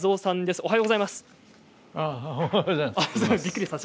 おはようございます。